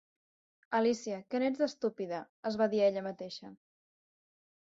"Alícia, que n"ets d"estúpida, es va dir a ella mateixa.